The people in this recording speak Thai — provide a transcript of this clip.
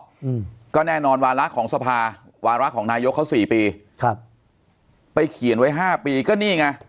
อืมก็แน่นอนวาระของสภาวาระของนายกเขาสี่ปีครับไปเขียนไว้ห้าปีก็นี่ไง